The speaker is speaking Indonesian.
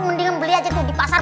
mendingan beli aja tuh di pasar